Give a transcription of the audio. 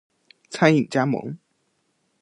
餐饮加盟